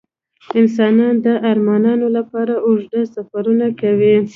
انسانان د ارمانونو لپاره اوږده سفرونه کوي.